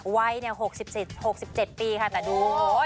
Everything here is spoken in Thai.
วัย๖๗ปีค่ะแต่ดู